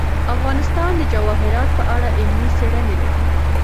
افغانستان د جواهرات په اړه علمي څېړنې لري.